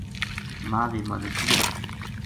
ما بے مدد دیئے